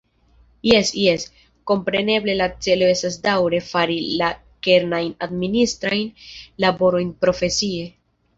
Jes, jes, kompreneble la celo estas daŭre fari la kernajn administrajn laborojn profesie.